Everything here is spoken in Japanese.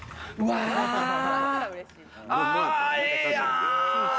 あ、ええやん。